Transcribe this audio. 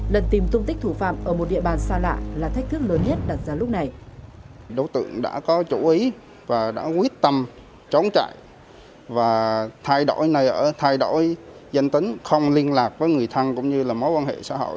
lần tìm tung tích thủ phạm ở một địa bàn xa lạ là thách thức lớn nhất đặt ra lúc này